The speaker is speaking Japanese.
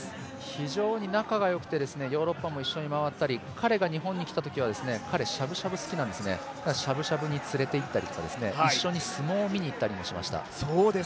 非常に仲がよくて一緒にヨーロッパを回ったり彼が日本に来たとき、彼しゃぶしゃぶ好きなんですね、だからしゃぶしゃぶに連れて行ったり一緒に相撲を見に行ったりとかもしました。